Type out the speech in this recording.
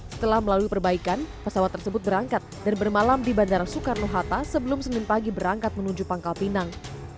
setelah melalui perbaikan pesawat tersebut berangkat dan bermalam di bandara soekarno hatta sebelum senin pagi berangkat menuju pangkal pinang